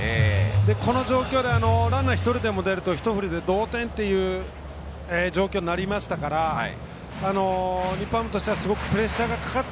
この状況でランナーが１人でも出るとひと振りで同点という状況になりましたから日本ハムとしてはすごくプレッシャーがかかって。